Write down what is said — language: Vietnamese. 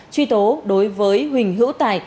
truy tố đối với huỳnh hữu tài